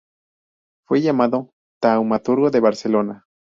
Fue llamado "Taumaturgo de Barcelona".